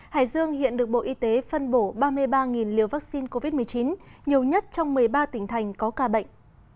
hải dương hiện được bộ y tế phân bổ ba mươi ba liều vaccine covid một mươi chín nhiều nhất trong một mươi ba tỉnh thành có ca bệnh